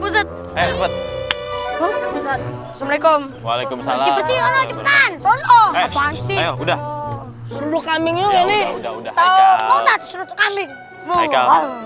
assalamualaikum waalaikumsalam sudah